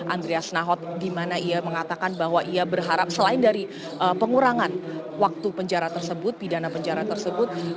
andreas nahot dimana ia mengatakan bahwa ia berharap selain dari pengurangan waktu penjara tersebut pidana penjara tersebut